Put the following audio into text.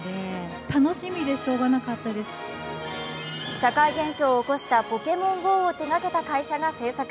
社会現象を起こした「ＰｏｋｅｍｏｎＧＯ」を手がけた会社が制作。